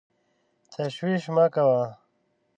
تشویش مه کوه !